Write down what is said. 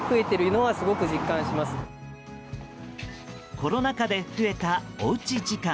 コロナ禍で増えたおうち時間。